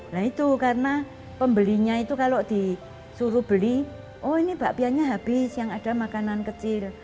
nah itu karena pembelinya itu kalau disuruh beli oh ini bakpianya habis yang ada makanan kecil